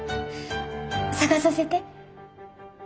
探させて。